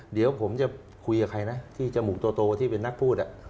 เดี๋ยวผมจะคุยกับใครนะที่จมูกโตที่เป็นนักพูด